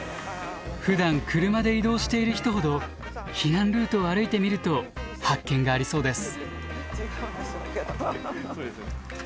ふだん車で移動している人ほど避難ルートを歩いてみると発見がありそうです。